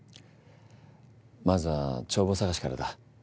まずは帳簿探しからだ。